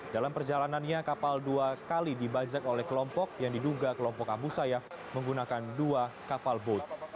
dalam perjalanannya kapal dua kali dibajak oleh kelompok yang diduga kelompok abu sayyaf menggunakan dua kapal boat